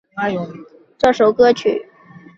至于德国兄弟会也会听到这首歌曲。